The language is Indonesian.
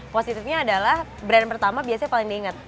positifnya adalah brand pertama biasanya paling diingat